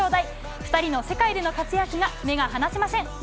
２人の世界での活躍が、目が離せません。